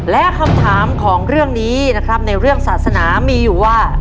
และคำถามของเรื่องนี้นะครับในเรื่องศาสนามีอยู่ว่า